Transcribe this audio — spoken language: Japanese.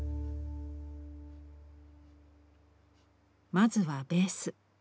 まずはベース。